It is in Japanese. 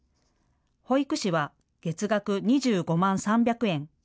保育士は月額２５万３００円。